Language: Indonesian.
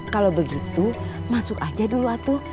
kalau begitu masuk aja dulu atuh